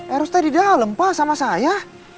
eros tadi dalem pak sama saya